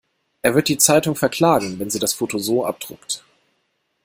Er wird die Zeitung verklagen, wenn sie das Foto so abdruckt.